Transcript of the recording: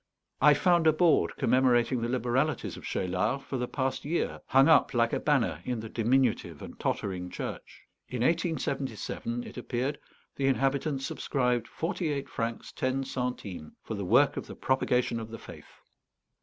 I found a board commemorating the liberalities of Cheylard for the past year, hung up, like a banner, in the diminutive and tottering church. In 1877, it appeared, the inhabitants subscribed forty eight francs ten centimes for the "Work of the Propagation of the Faith."